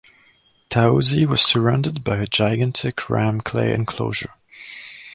Taosi was surrounded by a gigantic rammed-clay enclosure.